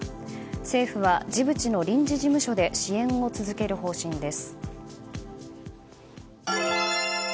政府はジブチの臨時事務所で支援を続ける方針です。